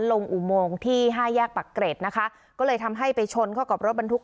อุโมงที่ห้าแยกปักเกร็ดนะคะก็เลยทำให้ไปชนเข้ากับรถบรรทุก